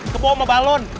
kebawa sama balon